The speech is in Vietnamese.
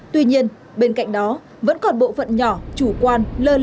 tuy nhiên bên cạnh đó vẫn còn bộ phận nhỏ chủ quan